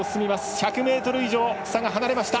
１００ｍ以上、差が離れました。